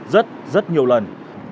rất rất nhiều lần